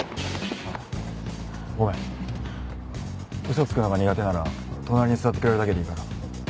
嘘つくのが苦手なら隣に座ってくれるだけでいいから。